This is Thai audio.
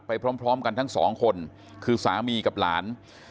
พร้อมกันทั้งสองคนคือสามีกับหลาน